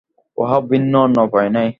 উহা ভিন্ন অন্য উপায় নাই।